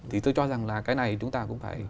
thì tôi cho rằng là cái này chúng ta cũng phải